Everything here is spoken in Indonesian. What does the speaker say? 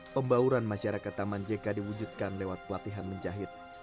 pembauran masyarakat taman jk diwujudkan lewat pelatihan menjahit